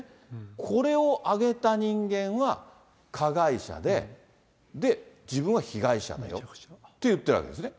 これを上げた人間は加害者で、自分は被害者だよって言ってるわけですね。